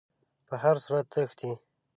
په هر صورت تښتي.